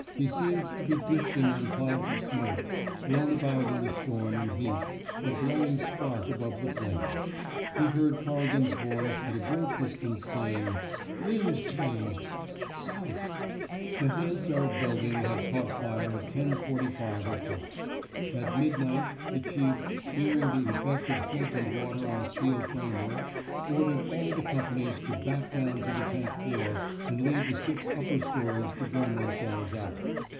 He seemed to be drifting on clouds of smoke, blown about in the storm and heat, a glowing spark above the flames. He heard Corrigan 's voice, at a great distance, say, *' Wind changed ... south." 218 TEAINING '' SALLY '' WATERS The Hansard Building had caught fire at 10.45 o'clock. At midnight, the chief, fear ing the effect of heat and water on the steel framework, ordered all the companies to back down to the tenth floor and leave the six upper stories to bum themselves out.